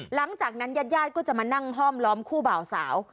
หลังจากนั้นญาติญาติก็จะมานั่งห้อมล้อมคู่บ่าวสาว